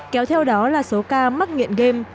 kéo theo đó là số ca mắc nghiện game